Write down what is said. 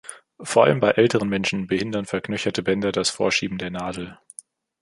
Vor allem bei älteren Menschen behindern verknöcherte Bänder das Vorschieben der Nadel.